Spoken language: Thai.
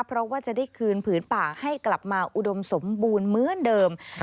เพราะว่าจะได้คืนผืนป่าให้กลับมาอุดมสมบูรณ์เหมือนเดิม